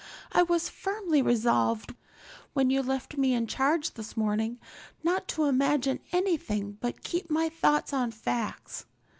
I was firmly resolved, when you left me in charge this morning, not to imagine anything, but keep my thoughts on facts.